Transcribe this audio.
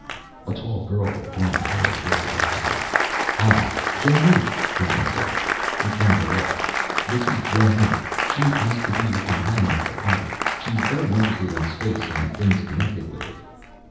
A tall girl with blonde hair drifted up to him. "Ah. Jonne," Quinton said. He turned to Rolf. "This is Jonne. She asked to be your companion at the party. She's very interested in space and things connected with it."